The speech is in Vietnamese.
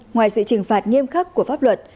ngoài sự trừng phạt nghiêm khắc của pháp luật